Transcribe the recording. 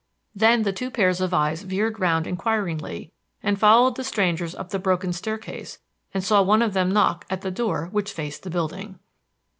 Then the two pairs of eyes veered round inquiringly, and followed the strangers up the broken staircase and saw one of them knock at the door which faced the building.